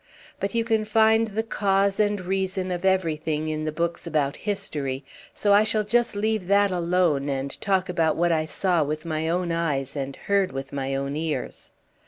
But you can find the cause and reason of everything in the books about history, and so I shall just leave that alone and talk about what I saw with my own eyes and heard with my own ears.